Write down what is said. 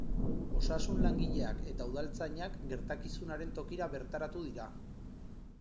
Osasun-langileak eta udaltzainak gertakizunaren tokira bertaratu dira.